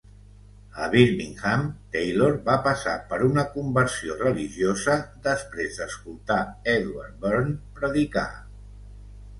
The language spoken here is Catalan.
A Birmingham, Taylor va passar per una conversió religiosa després d'escoltar Edward Burn predicar.